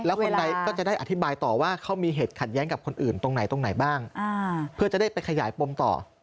แล้วคนใดก็จะได้อธิบายต่อว่าเขามีเหตุขัดแย้งกับคนอื่นตรงไหนตรงไหนบ้างเพื่อจะได้ไปขยายปมต่อ